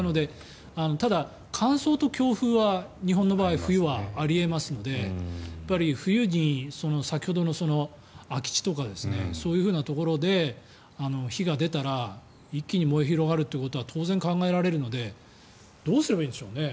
ただ、乾燥と強風は日本の場合冬はあり得ますので冬に先ほどの空き地とかそういうところで火が出たら一気に燃え広がるということは当然考えられるのでどうすればいいんでしょうね。